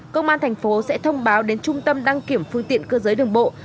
công an thành phố sẽ thông báo đến trung tâm đăng kiểm phương tiện cơ giới đường bộ